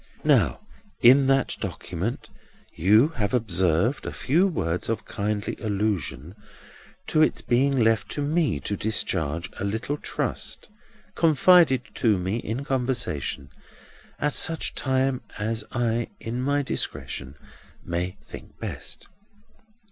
Now, in that document you have observed a few words of kindly allusion to its being left to me to discharge a little trust, confided to me in conversation, at such time as I in my discretion may think best."